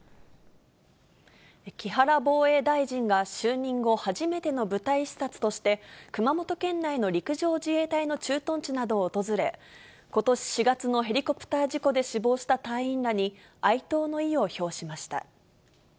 木原防衛大臣が就任後初めての部隊視察として、熊本県内の陸上自衛隊の駐屯地などを訪れ、ことし４月のヘリコプター事故で死亡した隊員らに哀悼の意を表しました。